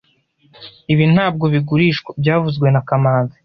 Ibi ntabwo bigurishwa byavuzwe na kamanzi